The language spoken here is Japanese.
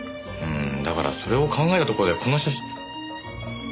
んーだからそれを考えたところでこの写真。